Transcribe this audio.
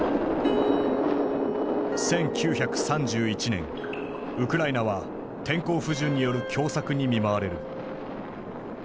１９３１年ウクライナは天候不順による凶作に見舞われる。